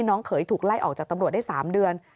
เขยถูกไล่ออกจากตำรวจได้๓เดือน